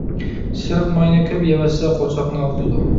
سېرىق ماينى كۆپ يەۋەتسە قورساقنى ئاغرىتىدۇ.